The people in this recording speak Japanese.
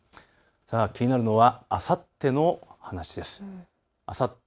気になるのはあさっての話です。